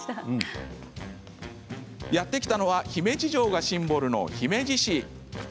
やって来たのは姫路城がシンボルの姫路市。